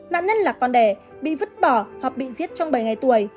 nạn nhân là con đẻ bị vứt bỏ hoặc bị giết trong bảy ngày tuổi